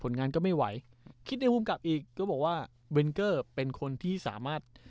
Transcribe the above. ผลงานก็ไม่ไหวคิดในมุมกลับอีกก็บอกว่าเป็นคนที่สามารถ